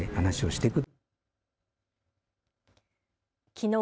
きのう